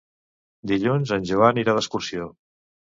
Dilluns en Joan irà d'excursió.